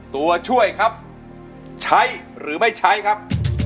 ตัวช่วยครับใช้หรือไม่ใช้ครับ